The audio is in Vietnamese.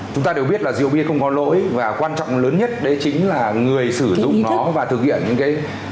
chúng ta đều biết là rượu bia không có lỗi và quan trọng lớn nhất đấy chính là người sử dụng nó và thực hiện những cái